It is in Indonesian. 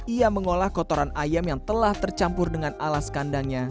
ia mengolah kotoran ayam yang telah tercampur dengan alas kandangnya